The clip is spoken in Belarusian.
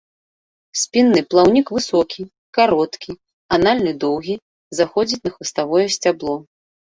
Спінны плаўнік высокі, кароткі, анальны доўгі, заходзіць на хваставое сцябло.